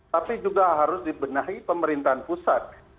tapi juga harus dibenahi pemerintahan pusat